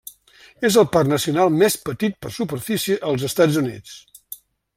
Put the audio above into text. És el parc nacional més petit per superfície als Estats Units.